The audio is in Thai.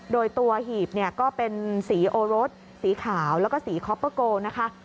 โดยตัวหีบเนี่ยก็เป็นสีโอรสสีขาวแล้วก็สีคอปเปอร์โกนะคะ